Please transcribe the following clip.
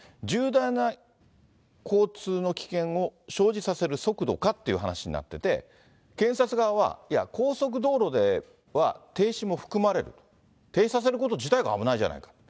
重大な交通の危険を生じさせる速度かっていう話になってて、検察側は、いや、高速道路では停止も含まれる、停止させること自体が危ないじゃないか。